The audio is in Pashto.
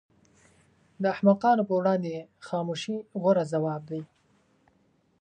د احمقانو پر وړاندې خاموشي غوره ځواب دی.